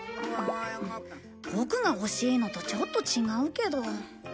ボクが欲しいのとちょっと違うけど。